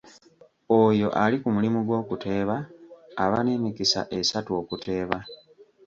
Oyo ali ku mulimu gw’okuteeba aba n’emikisa esatu okuteeba.